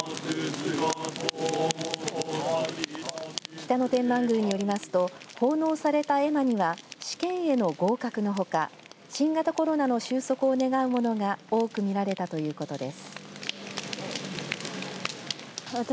北野天満宮によりますと奉納された絵馬には試験への合格のほか新型コロナの収束を願うものが多く見られたということです。